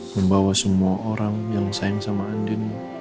membawa semua orang yang sayang sama andin